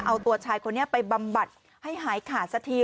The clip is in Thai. เอาตัวชายคนนี้ไปบำบัดให้หายขาดสักที